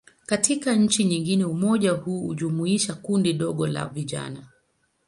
Katika nchi nyingine, umoja huu hujumuisha kundi dogo tu la vijana.